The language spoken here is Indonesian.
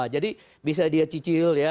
jadi bisa dia cicil ya